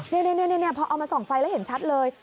นี่พอเอามาส่องไฟแล้วเห็นชัดเลย